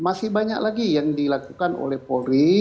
dan masih banyak lagi yang dilakukan oleh polri